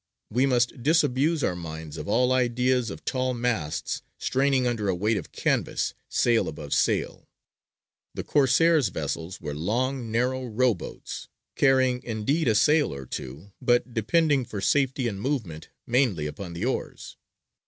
We must disabuse our minds of all ideas of tall masts straining under a weight of canvas, sail above sail. The Corsairs' vessels were long narrow row boats, carrying indeed a sail or two, but depending for safety and movement mainly upon the oars.